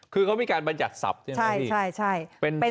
คือเค้ามีการบรรจัดศัพท์ใช่ไหมทีเป็นศัพท์